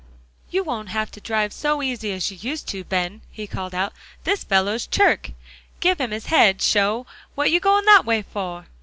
"You won't have to drive so easy as you used to, Ben," he called out, "this fellow's chirk; give him his head. Sho! what you goin' that way for?"